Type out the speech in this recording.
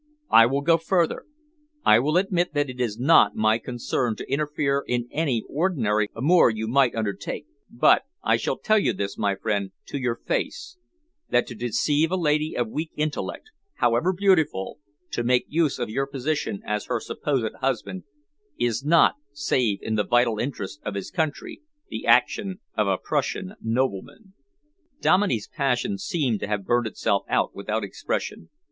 I will go further. I will admit that it is not my concern to interfere in any ordinary amour you might undertake, but I shall tell you this, my friend, to your face that to deceive a lady of weak intellect, however beautiful, to make use of your position as her supposed husband, is not, save in the vital interests of his country, the action of a Prussian nobleman." Dominey's passion seemed to have burned itself out without expression.